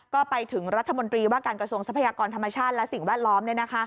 ก็ไปถึงรัฐมนตรีว่าการกระทรวงทรัพยากรธรรมชาติและสิ่งแวดล้อม